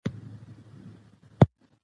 ښتې د افغانستان د طبیعي زیرمو برخه ده.